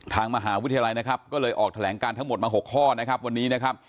ทางมหาวิทยาลัยนะครับก็เลยออกแถลงการทั้งหมดมา๖ข้อนะครับวันนี้นะครับ